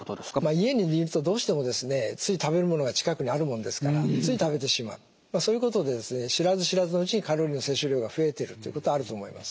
家にいるとどうしてもですねつい食べるものが近くにあるもんですからつい食べてしまうそういうことで知らず知らずのうちにカロリーの摂取量が増えてるってことはあると思います。